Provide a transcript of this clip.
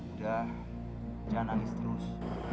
udah jangan nangis terus